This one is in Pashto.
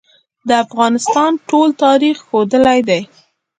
د افغانستان ټول تاریخ ښودلې ده.